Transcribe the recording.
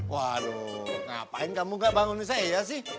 waduh ngapain kamu gak bangunin saya ya sih